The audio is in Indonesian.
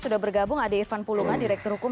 sudah bergabung ade irfan pulunga direktur hukum